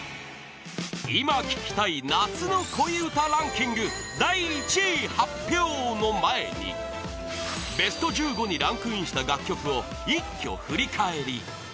今聴きたい夏の恋うたランキング第１位発表の前に ＢＥＳＴ１５ にランクインした楽曲を一挙振り返り